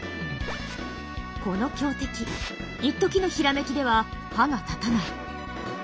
この強敵いっときの閃きでは歯が立たない。